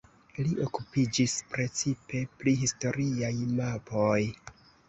Li okupiĝis precipe pri historiaj mapoj.